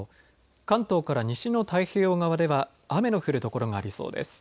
関東から西の太平洋側では雨の降る所がありそうです。